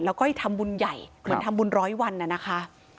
แล้วก็ทำบุญใหญ่เหมือนทำบุญร้อยวันน่ะนะคะ